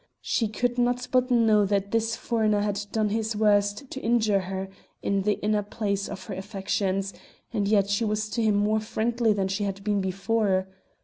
She could not but know that this foreigner had done his worst to injure her in the inner place of her affections, and yet she was to him more friendly than she had been before.